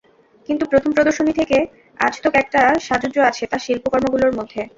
কিন্তু প্রথম প্রদর্শনী থেকে আজতক একটা সাযুজ্য আছে তাঁর শিল্পকর্মগুলোর মধ্যে।